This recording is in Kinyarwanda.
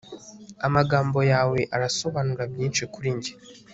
amagambo yawe arasobanura byinshi kuri njye